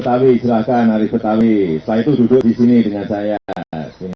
agar ciuba bisa nari apa kecil banget hari petali jadlahkan arif